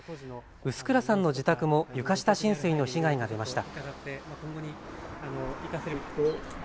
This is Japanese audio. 臼倉さんの自宅も床下浸水の被害が出ました。